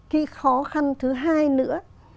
khi khó khăn thứ hai nữa